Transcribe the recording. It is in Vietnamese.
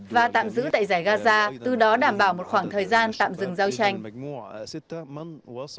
và tạm giữ tại giải gaza từ đó đảm bảo một khoảng thời gian tạm dừng giao tranh